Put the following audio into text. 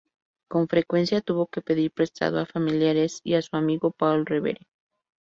Con frecuencia tuvo que pedir prestado a familiares y a su amigo Paul Revere.